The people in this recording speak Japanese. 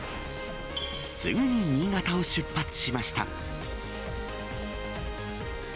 すぐに新潟を出発しました。